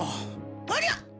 ありゃ！？